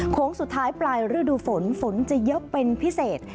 โค้งสุดท้ายปลายฤดูฝนฝนจะเยอะเป็นพิเศษ